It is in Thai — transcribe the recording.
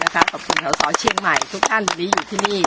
ขอบคุณสาวเชียงใหม่ทุกท่านวันนี้อยู่ที่นี่